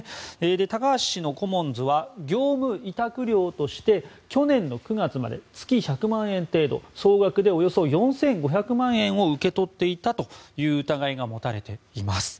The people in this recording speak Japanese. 高橋氏のコモンズは業務委託料として去年９月まで月１００万円程度総額でおよそ４５００万円を受け取っていたという疑いが持たれています。